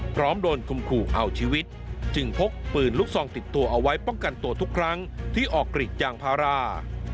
พร้อมโดนคมขู่เอาชีวิตจึงพกปืนลูกซองติดตัวเอาไว้ป้องกันตัวทุกครั้งที่ออกกรีดยางพารา